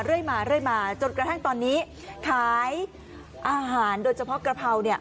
เรื่อยมาเรื่อยมาจนกระทั่งตอนนี้ขายอาหารโดยเฉพาะกระเพราเนี่ย